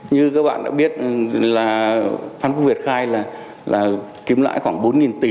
như các bạn đã biết là phán phục việt khai là kiếm lãi khoảng bốn tỷ